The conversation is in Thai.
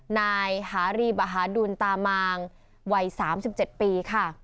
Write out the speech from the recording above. นายหารีบหาดุลตามางวัย๓๗ปีค่ะ